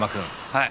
はい？